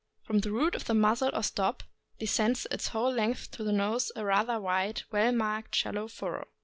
From the root of the muzzle or stop descends its whole length to the nose a rather wide, well marked, shal low furrow.